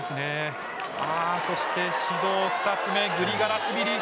そして指導２つ目グリガラシビリ。